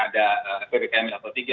akan ada vkm atau tiga